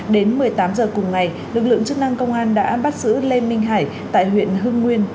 đến một mươi tám h cùng ngày lực lượng chức năng công an đã bắt giữ lê minh hải tại huyện hưng nguyên